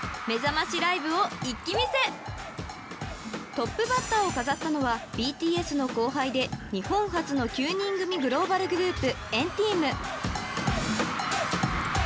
［トップバッターを飾ったのはＢＴＳの後輩で日本初の９人組グローバルグループ］